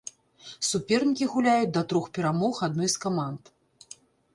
Супернікі гуляюць да трох перамог адной з каманд.